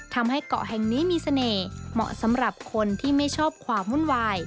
ทำให้เกาะแห่งนี้มีเสน่ห์เหมาะสำหรับคนที่ไม่ชอบความวุ่นวาย